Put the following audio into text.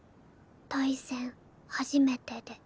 対戦初めてで。